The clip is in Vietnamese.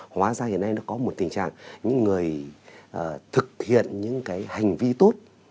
hóa ra hiện nay nó có một tình trạng những người thực hiện những cái hành vi tốt